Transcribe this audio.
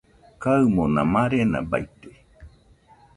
Kaɨmona marena baite